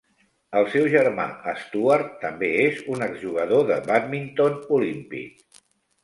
El seu germà Stuart també és un exjugador de bàdminton olímpic.